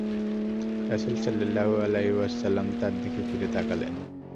রাসূল সাল্লাল্লাহু আলাইহি ওয়াসাল্লাম তার দিকে ফিরে তাকালেন।